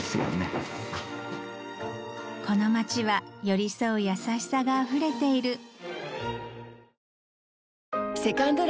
この街は寄り添う優しさがあふれている